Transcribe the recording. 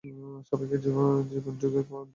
সবখানেই জীবন যৌগের প্রমাণ মেলে।